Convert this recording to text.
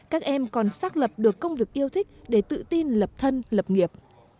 các em còn xác lập được công việc yêu thích để tự tin lập thân lập nghiệp